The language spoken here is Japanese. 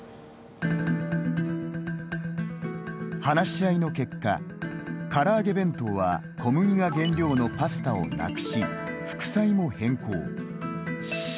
話し合いの結果から揚げ弁当は小麦が原料のパスタをなくし副菜も変更。